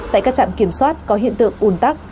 tại các trạm kiểm soát có hiện tượng ùn tắc